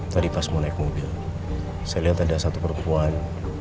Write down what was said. tadi pas mau naik mobil saya lihat ada satu perempuan